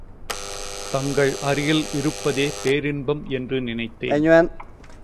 தங்கள் அருகில் இருப்பதே பேரின்பம் என்று நினைத்தேன்.